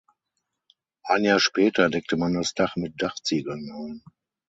Ein Jahr später deckte man das Dach mit Dachziegeln ein.